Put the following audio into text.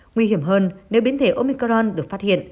nguy hiểm hơn nếu biến thể omicron được phát hiện